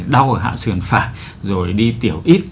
đau ở hạ sườn phải rồi đi tiểu ít